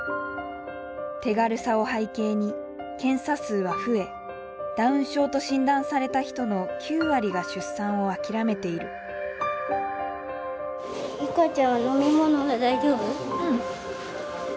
手軽さを背景に検査数は増えダウン症と診断された人の９割が出産を諦めているうん。